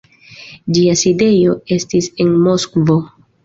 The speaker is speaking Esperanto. Ĝia sidejo estis en Moskvo.